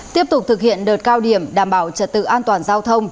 tiếp tục thực hiện đợt cao điểm đảm bảo trật tự an toàn giao thông